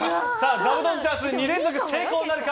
ザブトンチャンス２連続成功なるか。